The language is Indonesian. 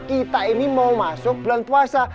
kita ini mau masuk bulan puasa